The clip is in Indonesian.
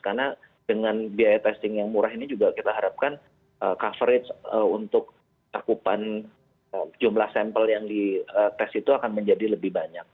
karena dengan biaya testing yang murah ini juga kita harapkan coverage untuk cakupan jumlah sampel yang dites itu akan menjadi lebih banyak